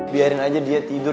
biarin aja dia tidur